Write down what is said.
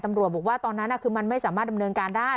ตำรวจบอกว่าตอนนั้นคือมันไม่สามารถดำเนินการได้